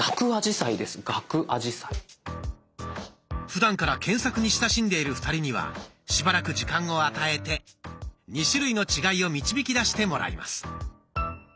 ふだんから検索に親しんでいる２人にはしばらく時間を与えて２種類の違いを導きだしてもらいます。